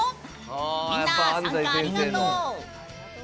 みんな、参加ありがとう！